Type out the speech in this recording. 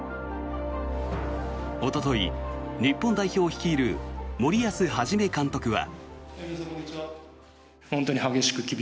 おととい、日本代表を率いる森保一監督は。